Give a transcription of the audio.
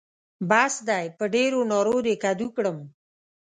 بس دی؛ په ډېرو نارو دې کدو کړم.